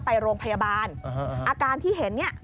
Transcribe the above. ไปโรงพยาบาลอาการที่เห็นเนี่ย